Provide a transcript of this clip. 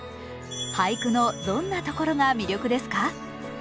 俳句のどんなところが魅力ですか？